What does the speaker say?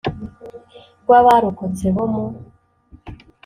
rw abarokotse bo mu